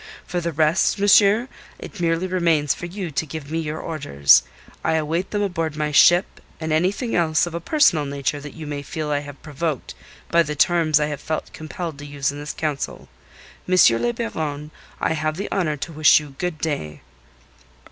For the rest, monsieur, it merely remains for you to give me your orders. I await them aboard my ship and anything else, of a personal nature, that you may feel I have provoked by the terms I have felt compelled to use in this council. M. le Baron, I have the honour to wish you good day."